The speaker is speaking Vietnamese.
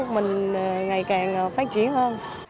mình ngày càng phát triển hơn